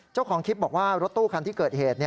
เจ้าของคลิปบอกว่ารถตู้คันที่เกิดเหตุ